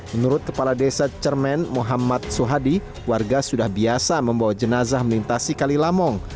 menurut kepala desa cermen muhammad suhadi warga sudah biasa membawa jenazah melintasi kalilamong